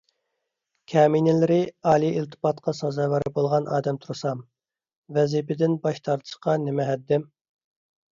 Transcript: كەمىنىلىرى ئالىي ئىلتىپاتقا سازاۋەر بولغان ئادەم تۇرسام، ۋەزىپىدىن باش تارتىشقا نېمە ھەددىم؟